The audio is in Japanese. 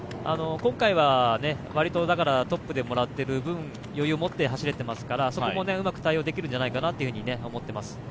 今回はトップでもらっている分、余裕を持って走れていますからそこもうまく対応できるんじゃないかと思っています。